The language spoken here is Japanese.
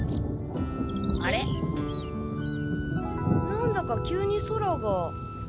何だか急に空が。